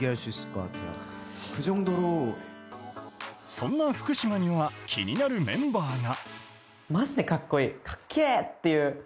そんな福嶌には気になるメンバーが。